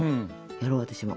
やろう私も。